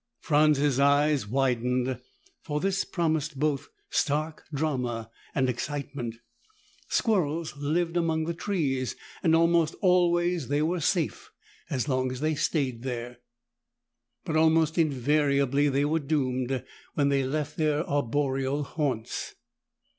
Franz's eyes widened, for this promised both stark drama and excitement. Squirrels lived among the trees, and almost always they were safe as long as they stayed there. But almost invariably they were doomed when they left their arboreal haunts.